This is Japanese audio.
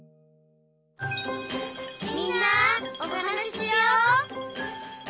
「みんなおはなししよう」